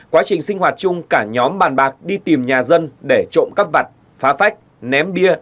quá trình sinh hoạt chung cả nhóm bàn bạc đi tìm nhà dân để trộm cắp vặt phá phách ném bia